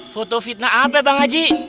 foto fitnah apa bang haji